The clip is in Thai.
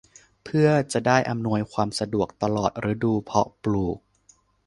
เพื่อจะได้อำนวยความสะดวกตลอดฤดูเพาะปลูก